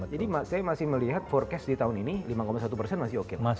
jadi saya masih melihat forecast di tahun ini lima satu masih oke